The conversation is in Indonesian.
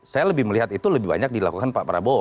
saya lebih melihat itu lebih banyak dilakukan pak prabowo